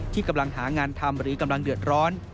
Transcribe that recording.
ที่กำลังหางานทำหรือกำลังเดือดร้อน